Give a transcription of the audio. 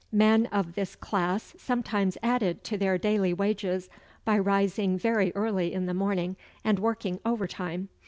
Men of this class sometimes added to their daily wages by rising very early in the morning, and working overtime.